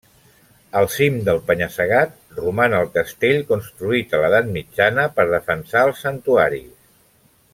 Al cim del penya-segat, roman el castell construït a l'edat mitjana per defensar els santuaris.